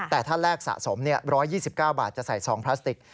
แต่ถ้าแลกสะสม๑๒๙บาทจะใส่ซองพลาสติก